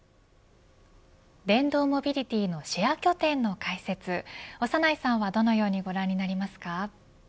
電動モビリティのシェア拠点の開設長内さんはどのようにご覧になりますか。